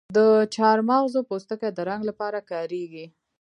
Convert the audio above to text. د چارمغز پوستکی د رنګ لپاره کاریږي؟